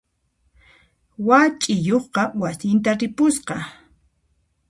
Wach'iyuqqa wasinta ripusqa.